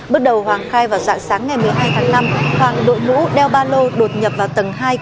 bước đầu hoàng khai vào dạng sáng ngày một mươi hai tháng năm hoàng đội mũ đeo ba lô đột nhập vào tầng hai